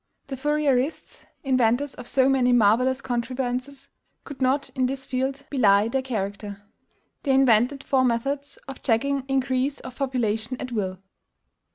The Fourierists INVENTORS of so many marvellous contrivances could not, in this field, belie their character. They invented four methods of checking increase of population at will.